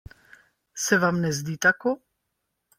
Se vam ne zdi tako?